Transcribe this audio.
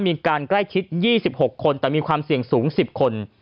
มีการใกล้ชิด๒๖คนแต่มีความเสี่ยงสูง๑๐คน